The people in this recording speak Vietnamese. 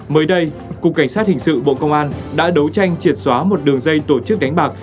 mới đây cục cảnh sát hình sự bộ công an đã đấu tranh triệt xóa một đường dây tổ chức đánh bạc